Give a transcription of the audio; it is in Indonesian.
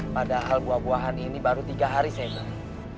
padahal buah buahan ini baru tiga hari saya beli